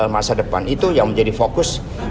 masa depan itu yang menjadi fokus